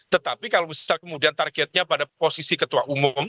tetapi kalau misalnya kemudian targetnya pada posisi ketua umum